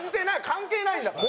関係ないんだから。